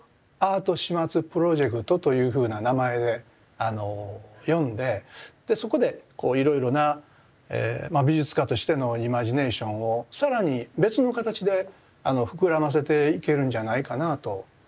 でそれをというふうな名前で呼んででそこでいろいろな美術家としてのイマジネーションを更に別の形で膨らませていけるんじゃないかなあと考えたんです。